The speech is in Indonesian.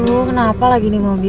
bu kenapa lagi nih mobil